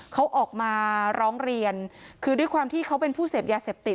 เขาออกมาร้องเรียนคือด้วยความที่เขาเป็นผู้เสพยาเสพติด